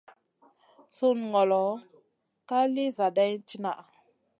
Sunu ŋolo ka lì zadaina tìnaha.